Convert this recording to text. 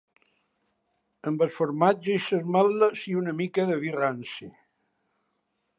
Amb el formatge i les ametlles, i una mica de vi ranci